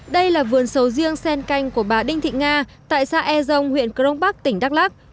đây là vườn sầu riêng sen canh của bà đinh thị nga tại xã e dông huyện crong bắc tỉnh đắk lắc